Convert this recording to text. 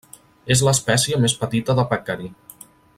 És l'espècie més petita de pècari.